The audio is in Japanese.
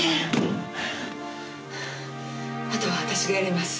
あとは私がやります。